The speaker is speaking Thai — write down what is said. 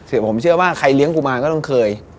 คือผมเชื่อว่าใครเลี้ยงกุมารก็ต้องเคย